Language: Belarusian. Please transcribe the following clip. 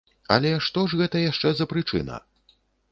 Але што ж гэта яшчэ за прычына?